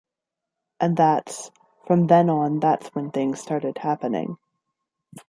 And that's - from then on that's when things started happening.